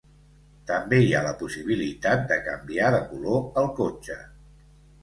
També hi ha la possibilitat de canviar de color el cotxe.